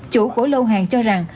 chủ của lâu hàng cho rằng